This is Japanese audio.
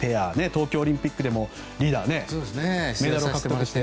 東京オリンピックでもリーダー、メダルを獲得して。